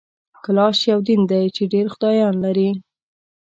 کلاش یو دین دی چي ډېر خدایان لري